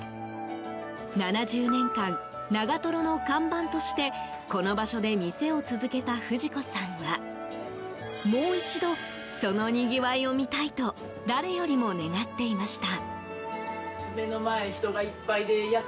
７０年間、長瀞の看板としてこの場所で店を続けた不二子さんはもう一度そのにぎわいを見たいと誰よりも願っていました。